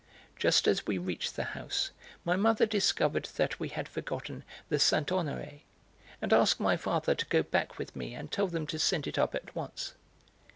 Just as we reached the house my mother discovered that we had forgotten the 'Saint Honoré,' and asked my father to go back with me and tell them to send it up at once.